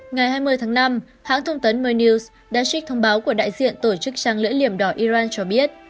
ngày hai mươi tháng năm hãng thông tấn mynews đã trích thông báo của đại diện tổ chức trang lưỡi liểm đỏ iran cho biết